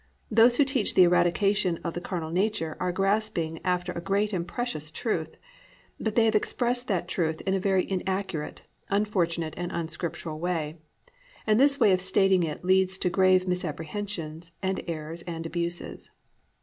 Those who teach "the eradication of the carnal nature" are grasping after a great and precious truth, but they have expressed that truth in a very inaccurate, unfortunate, and unscriptural way, and this way of stating it leads to grave misapprehensions and errors and abuses.